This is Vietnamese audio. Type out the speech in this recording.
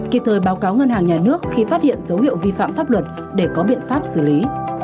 kịp thời báo cáo ngân hàng nhà nước khi phát hiện dấu hiệu vi phạm pháp luật để có biện pháp xử lý